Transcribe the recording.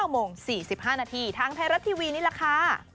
๙โมง๔๕นาทีทางไทยรัฐทีวีนี่แหละค่ะ